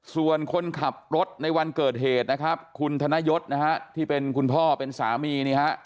ส่วนคนขับรถในวันเกิดเหตุนะครับคุณธนยศนะฮะที่เป็นคุณพ่อเป็นสามีนี่ฮะ